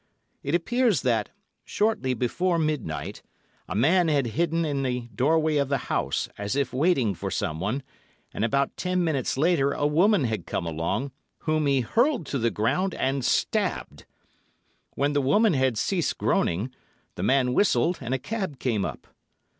It appears that, shortly before midnight, a man had hidden in the doorway of the house, as if waiting for someone, and about ten minutes later a woman had come along, whom he hurled to the ground, and stabbed. When the woman had ceased groaning, the man whistled, and a cab came up.